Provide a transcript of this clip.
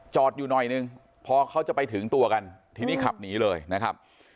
อยู่หน่อยนึงพอเขาจะไปถึงตัวกันทีนี้ขับหนีเลยนะครับ